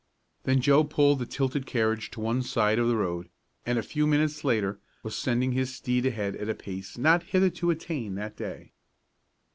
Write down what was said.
Then Joe pulled the tilted carriage to one side of the road, and a few minutes later was sending his steed ahead at a pace not hitherto attained that day.